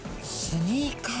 スニーカー？